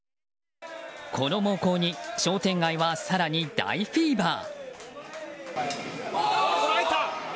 この猛攻に商店街は更に大フィーバー。